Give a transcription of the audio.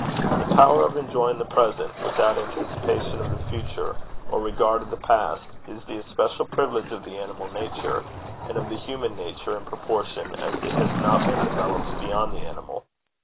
The power of enjoying the present without anticipation of the future or regard of the past, is the especial privilege of the animal nature, and of the human nature in proportion as it has not been developed beyond the animal.